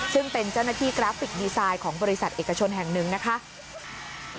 ซึ่งเป็นเจ้าหน้าที่กราฟิกดีไซน์ของบริษัทเอกชนแห่งหนึ่งนะคะ